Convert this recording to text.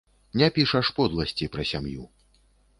Не пішаш подласці пра сям'ю.